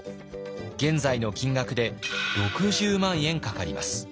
現在の金額で６０万円かかります。